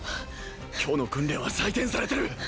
今日の訓練は採点されてる。